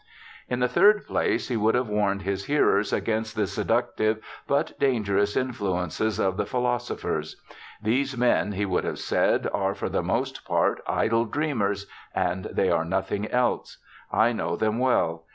In the third place, he would have warned his hearers against the seductive but dangerous influences of the philo sophers. These men, he would have said, are, for the most part, idle dreamers, and they are nothing else. I know them well.